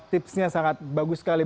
tipsnya sangat bagus sekali